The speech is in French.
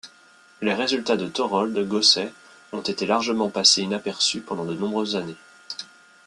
Les résultats de Thorold Gosset ont été largement passés inaperçus pendant de nombreuses années.